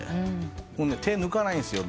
手抜かないんですよ。